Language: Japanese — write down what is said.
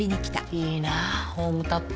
いいなホームタップ。